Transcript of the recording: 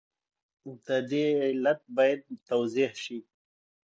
ژاوله مختلف خوندونه لري.